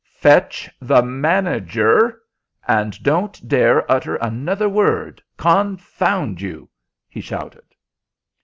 "Fetch the manager, and don't dare utter another word, confound you!" he shouted.